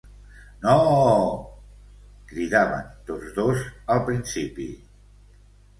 Nooo! —cridaven tots dos, al principi.